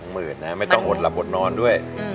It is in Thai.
๒๐๐๐๐บาทนะไม่ต้องอดหลับอดนอนด้วย